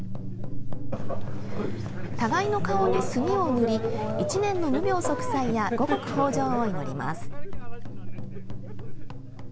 互いの顔に墨を塗り１年の無病息災や五穀豊じょうを祈ります。